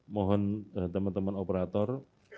mohon teman teman operator